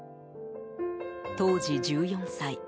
当時１４歳。